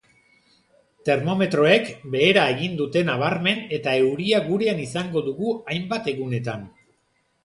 Termometroek behera egin dute nabarmen eta euria gurean izango dugu hainbat egunetan.